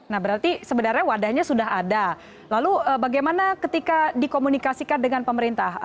nah berarti sebenarnya wadahnya sudah ada lalu bagaimana ketika dikomunikasikan dengan pemerintah